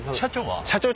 社長は？